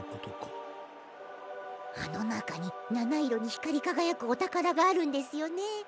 あのなかになないろにひかりかがやくおたからがあるんですよね。